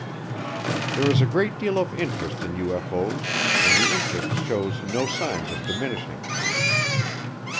There is a great deal of interest in UFO's and the interest shows no signs of diminishing.